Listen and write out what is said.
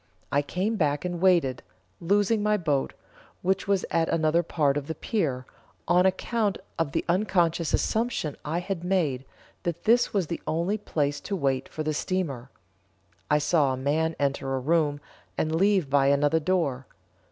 I came back and waited, losing my boat, which was at another part of the pier, on account of the unconscious assumption I had made, that this was the only place to wait for the steamer. I saw a man enter a room, and leave by another door.